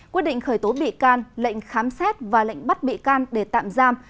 quyết định khởi tố bị can lệnh khám xét và lệnh bắt bị can để tạm giam